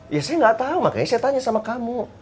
ya saya gak tau makanya saya tanya sama kamu